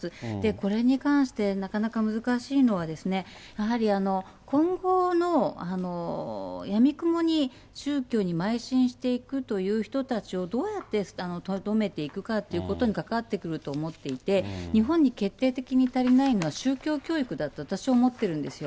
これに関して、なかなか難しいのは、やはり今後のやみくもに宗教にまい進していくという人たちをどうやって留めていくかということに関わってくると思っていて、日本に決定的に足りないのは、宗教教育だと、私は思ってるんですよ。